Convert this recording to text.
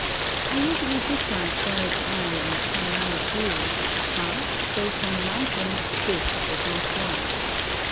I usually dislike bird's eye and panoramic views, but, though from a mountain, this was not one.